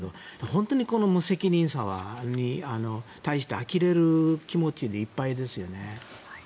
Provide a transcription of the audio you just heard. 本当に無責任さに対してあきれる気持ちでいっぱいですよね。